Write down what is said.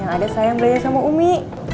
yang ada saya yang belajar sama umi